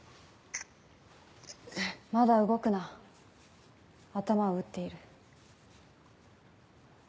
まだ動くな頭を打っている。